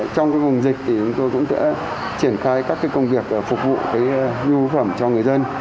trong vùng dịch chúng tôi cũng đã triển khai các công việc phục vụ vô phẩm cho người dân